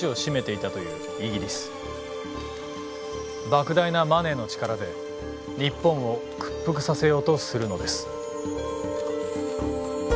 ばく大なマネーの力で日本を屈服させようとするのです。